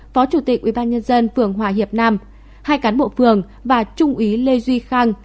phó chủ tịch ubnd phường hòa hiệp nam hai cán bộ phường và trung úy lê duy khang